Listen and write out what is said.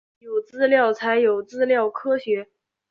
有资料才有资料科学